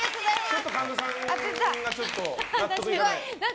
ちょっと神田さんが納得いかない？